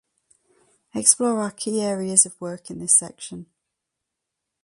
Explore our key areas of work in this section.